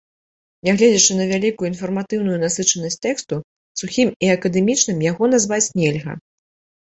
Нягледзячы на вялікую інфарматыўную насычанасць тэксту, сухім і акадэмічным яго назваць нельга.